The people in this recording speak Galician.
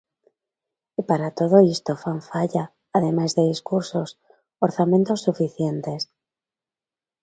E para todo isto fan falla, ademais de discursos, orzamentos suficientes.